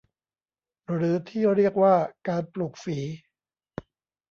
หรือที่เรียกว่าการปลูกฝี